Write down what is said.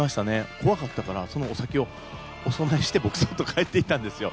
怖かったから、そのお酒をお供えして僕、そっと帰っていったんですよ。